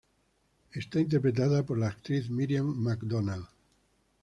Es interpretada por la actriz Miriam McDonald.